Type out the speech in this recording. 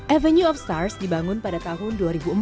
avenue of stars dibangun pada tahun dua ribu empat